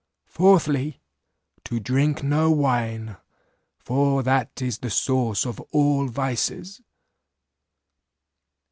"Fourthly, To drink no wine, for that is the source of all vices.